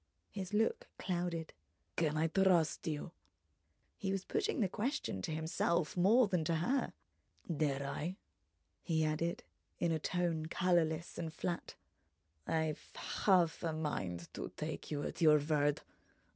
His look clouded. "Can I trust you?" He was putting the question to himself more than to her. "Dare I?" He added in a tone colourless and flat: "I've half a mind to take you at your word.